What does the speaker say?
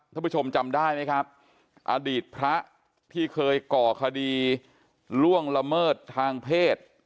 ท่านผู้ชมจำได้ไหมครับอดีตพระที่เคยก่อคดีล่วงละเมิดทางเพศ